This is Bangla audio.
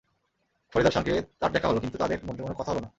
ফরিদার সঙ্গে তাঁর দেখা হলো, কিন্তু তাঁদের মধ্যে কোনো কথা হলো না।